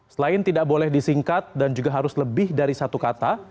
selain tidak boleh disingkat dan juga harus lebih dari satu kata